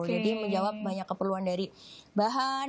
jadi menjawab banyak keperluan dari bahan